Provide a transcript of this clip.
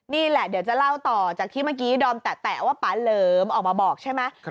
นี่แหละเดี๋ยวจะเล่าต่อจากที่เมื่อกี้ดอมแตะว่าป๊าเหลิมออกมาบอกใช่ไหม